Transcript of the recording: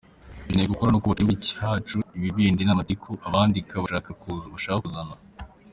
Dukeneye gukora no kubaka igihugu cyacu ibi bindi ni amatiku abandika bashaka kuzana